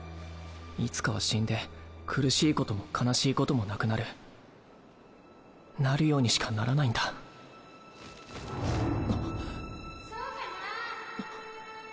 いつかは死んで苦しいことも悲しいこなるようにしかならないんだあっそうかな？